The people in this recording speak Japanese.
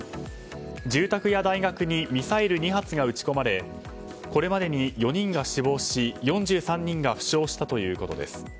住宅や大学にミサイル２発が撃ち込まれこれまでに４人が死亡し４３人が負傷したということです。